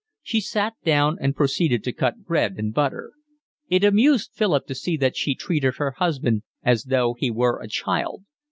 She sat down and proceeded to cut bread and butter. It amused Philip to see that she treated her husband as though he were a child.